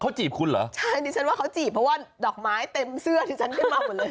เขาจีบคุณเหรอใช่ดิฉันว่าเขาจีบเพราะว่าดอกไม้เต็มเสื้อที่ฉันขึ้นมาหมดเลย